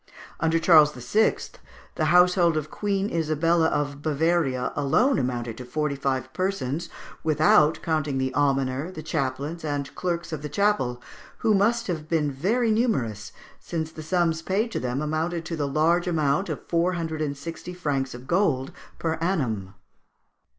Under Charles VI., the household of Queen Isabella of Bavaria alone amounted to forty five persons, without counting the almoner, the chaplains, and clerks of the chapel, who must have been very numerous, since the sums paid to them amounted to the large amount of four hundred and sixty francs of gold per annum.